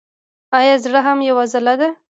ایا زړه هم یوه عضله ده